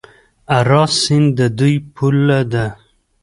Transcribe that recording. اراس سیند د دوی پوله ده.